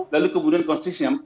lalu kemudian konstriksinya